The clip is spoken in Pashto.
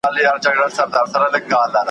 لا له ځان سره بوڼیږي چي تنها وي ,